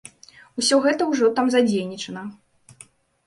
Усё гэта ўжо там задзейнічана.